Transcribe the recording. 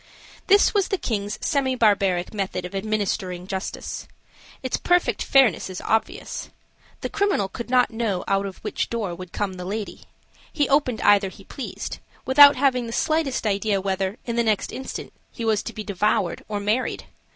This was the king's semi barbaric method of administering justice. Its perfect fairness is obvious. The criminal could not know out of which door would come the lady; he opened either he pleased, without having the slightest idea whether, in the next instant, he was to be devoured or married.